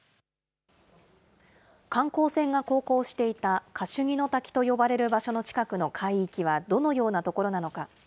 観光船が航行していたカシュニの滝と呼ばれる場所の近くの海域はどのような所なのか。